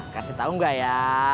kasih tau gak ya